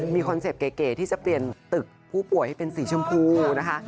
มีคอนเซ็ปต์เก๋ที่จะเปลี่ยนตึกผู้ป่วยให้เป็นสีชมพูนะคะ